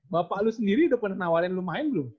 bapak lu sendiri udah pernah nawarin lu main belum